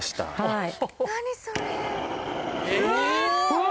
はい。